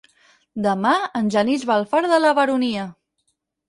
Demà en Genís va a Alfara de la Baronia.